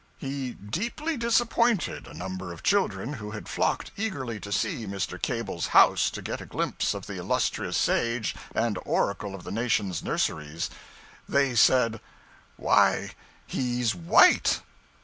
He deeply disappointed a number of children who had flocked eagerly to Mr. Cable's house to get a glimpse of the illustrious sage and oracle of the nation's nurseries. They said 'Why, he 's white!'